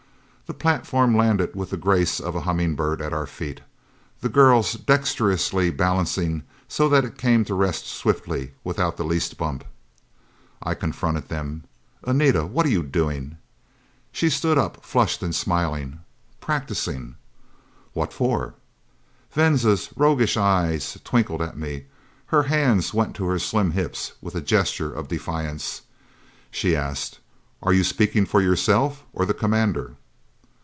The platform landed with the grace of a humming bird at our feet, the girls dexterously balancing so that it came to rest swiftly, without the least bump. I confronted them. "Anita, what are you doing?" She stood up, flushed and smiling. "Practicing." "What for?" Venza's roguish eyes twinkled at me. Her hands went to her slim hips with a gesture of defiance. She asked, "Are you speaking for yourself or the Commander?"